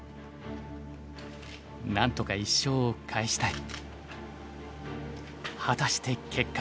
なんとか１勝を返したい。